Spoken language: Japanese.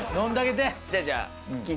じゃあじゃあ。